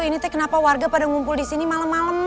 ini teh kenapa warga pada ngumpul di sini malam malam